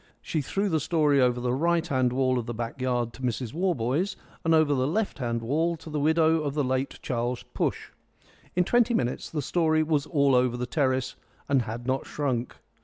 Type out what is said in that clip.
She threw the story over the right hand wall of the back yard to Mrs Warboys, and over the left hand wall to the widow of the late Charles Push. In twenty minutes the story was all over the terrace and had not shrunk.